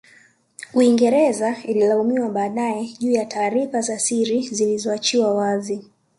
Uingereza Ililaumiwa baadae juu ya taarifa za siri zilizo achiwa wazi